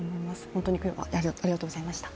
本当に今日はありがとうございました。